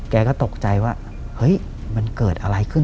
แกก็ตกใจว่าเฮ้ยมันเกิดอะไรขึ้น